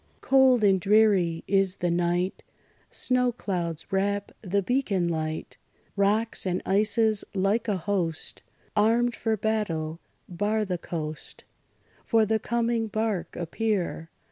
Cold and dreary is the night; Snow clouds wrap the beacon light; Rocks and ices, like a host Armed for battle, bar the coast; For the coming bark appear!